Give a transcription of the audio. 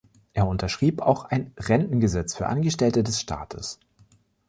Er unterschrieb auch ein Rentengesetz für Angestellte des Staates.